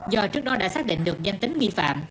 do trước đó đã xác định được danh tính nghi phạm